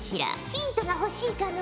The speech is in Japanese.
ヒントが欲しいかの？